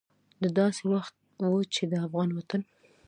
دا داسې وخت و چې د افغان وطن